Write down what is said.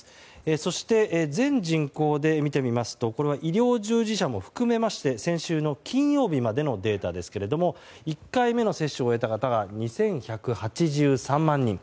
そして全人口で見てみますと医療従事者も含めまして先週の金曜日までのデータですが１回目の接種を終えた方が２１８３万人。